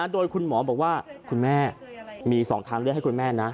โดยคุณหมอบอกว่าคุณแม่มี๒ทางเลือกให้คุณแม่นะ